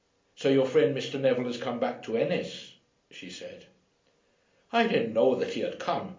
"So your friend Mr. Neville has come back to Ennis," she said. "I didn't know that he had come.